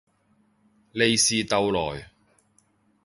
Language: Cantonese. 利是逗來